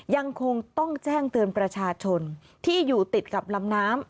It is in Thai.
ยังคงต้องแจ้งเตือนประชาชนที่อยู่ติดกับลำน้ำ